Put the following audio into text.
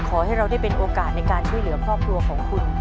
ขอให้เราได้เป็นโอกาสในการช่วยเหลือครอบครัวของคุณ